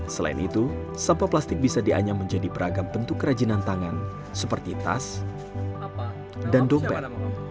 selain itu sampah plastik bisa dianyam menjadi beragam bentuk kerajinan tangan seperti tas dan dompet